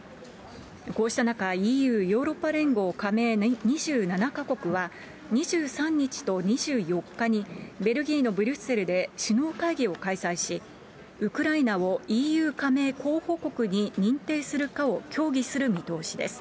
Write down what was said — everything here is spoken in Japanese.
こうした中、ＥＵ・ヨーロッパ連合加盟２７か国は、２３日と２４日に、ベルギーのブリュッセルで首脳会議を開催し、ウクライナをＥＵ加盟候補国に認定するかを協議する見通しです。